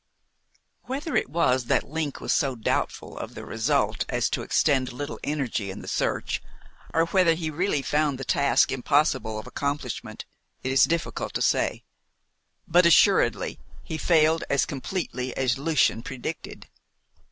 Whether it was that Link was so doubtful of the result as to extend little energy in the search, or whether he really found the task impossible of accomplishment, it is difficult to say, but assuredly he failed as completely as Lucian predicted.